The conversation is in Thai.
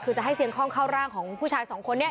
คือจะให้เสียงคล่องเข้าร่างของผู้ชายสองคนนี้